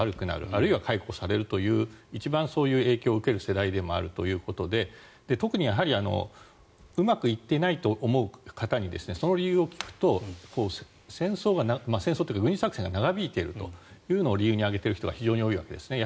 あるいは解雇されるという一番影響を受ける世代でもあるということで特にうまくいっていないと思う方にその理由を聞くと、戦争というか軍事作戦が長引いていることを理由に挙げている人が非常に多いわけですね。